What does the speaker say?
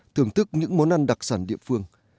thưởng thức những món ăn đặc sản địa phương